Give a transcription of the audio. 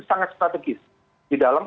sangat strategis di dalam